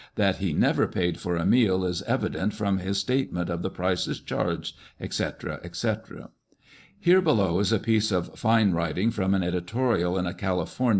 That he never paid for a meal is evident from his statement of the prices charged," &c., &c. Here below is a piece of fine writing from an editorial in a California!!